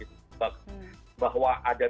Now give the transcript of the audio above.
bahwa ada tindakan disiplin